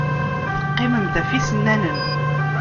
Teqqimemt ɣef yisennanen.